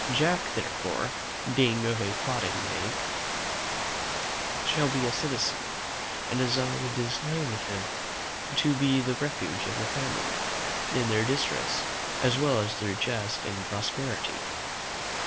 Jack, therefore, being of a plodding make, shall be a citizen: and I design him to be the refuge of the family in their distress, as well as their jest in prosperity.